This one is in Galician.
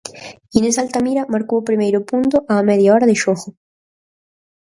Inés Altamira marcou o primeiro punto á media hora de xogo.